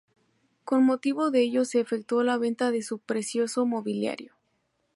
Con motivo de ello se efectuó la venta de su precioso mobiliario.